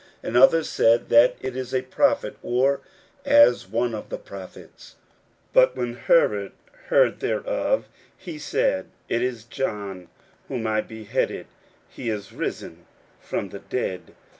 And others said, That it is a prophet, or as one of the prophets. 41:006:016 But when Herod heard thereof, he said, It is John, whom I beheaded: he is risen from the dead.